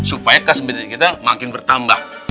supaya kas bedanya kita makin bertambah